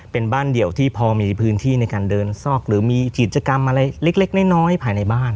เป็นบ้านเดี่ยวที่พอมีพื้นที่ในการเดินซอกหรือมีกิจกรรมอะไรเล็กน้อยภายในบ้าน